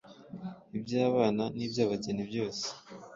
iby’abana n’iby’abageni byose